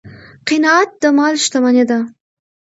قناعت د مال شتمني ده.